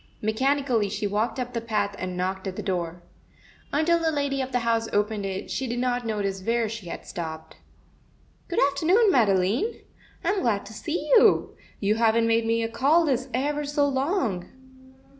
Mechanically she walked up the path and knocked at the door. Until the lady of the house opened it, she did not notice where she had stopped. Good afternoon, Madeline. I'm glad to see you. You haven't made me a call this ever so long."